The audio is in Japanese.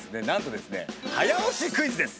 なんとですね早押しクイズ？